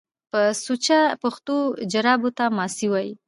په سوچه پښتو جرابو ته ماسۍ وايي